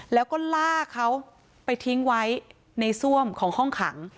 แล้วก็ลากเขาไปทิ้งไว้ในซ่วมของห้องขัง